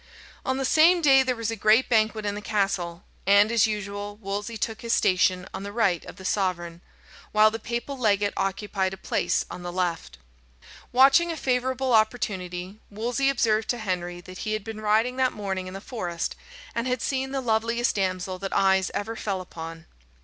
On the same day there was a great banquet in the castle, and, as usual, Wolsey took his station on the right of the sovereign, while the papal legate occupied a place on the left. Watching a favourable opportunity, Wolsey observed to Henry that he had been riding that morning in the forest, and had seen the loveliest damsel that eyes ever fell upon.